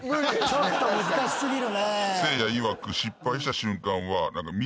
ちょっと難しすぎるね。